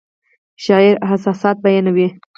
شاعر احساسات بیانوي